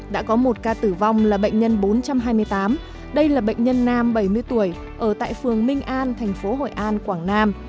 đã có một ca tử vong là bệnh nhân bốn trăm hai mươi tám đây là bệnh nhân nam bảy mươi tuổi ở tại phường minh an tp hcm quảng nam